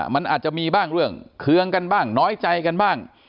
มันอาจจะมีบ้างเรื่องเคืองกันบ้างน้อยใจกันบ้าง